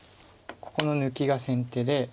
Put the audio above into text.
ここの抜きが先手で。